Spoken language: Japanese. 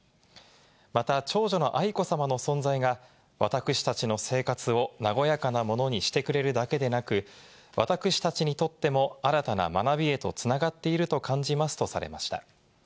また長女の愛子さまの存在が私たちの生活を和やかなものにしてくれるだけでなく、私たちにとっても新たな学びへと繋がっていると感じますとされました。